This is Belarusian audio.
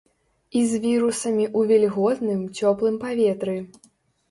І з вірусамі ў вільготным, цёплым паветры.